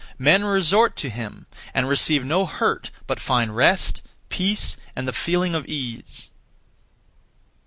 Men resort to him, and receive no hurt, but (find) rest, peace, and the feeling of ease.